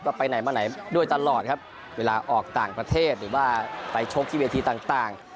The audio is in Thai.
ก็ไปไหนมาไหนด้วยตลอดครับเวลาออกต่างประเทศหรือว่าไปชกที่เวทีต่างต่าง